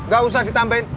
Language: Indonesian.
gak usah ditambahin